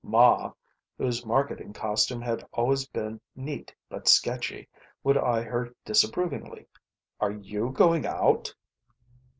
Ma, whose marketing costume had always been neat but sketchy, would eye her disapprovingly. "Are you going out?"